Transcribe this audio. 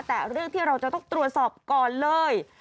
แต่เรื่องที่เราจะต้องตรวจสอบก่อนเลย